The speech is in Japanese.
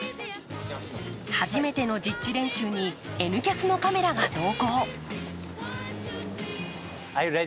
初めての実地練習に「Ｎキャス」のカメラが同行。